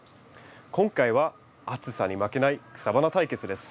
今回は暑さに負けない草花対決です。